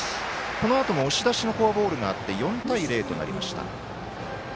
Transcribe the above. このあとも押し出しのフォアボールがありまして４対０となりました。